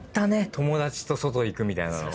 友達と外行くみたいなのは。